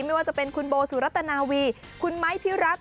ไม่ว่าจะเป็นคุณโบสุรัตนาวีคุณไม้พิรัตน